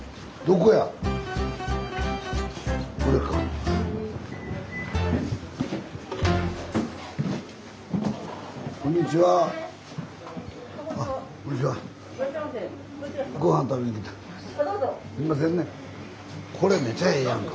これめちゃええやんか。